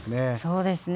そうですね。